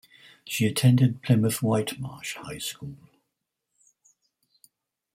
She attended Plymouth-Whitemarsh High School.